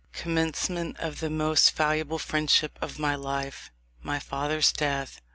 COMMENCEMENT OF THE MOST VALUABLE FRIENDSHIP OF MY LIFE. MY FATHER'S DEATH.